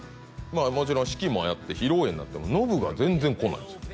もちろん式もやって披露宴になってもノブが全然来ないんですよ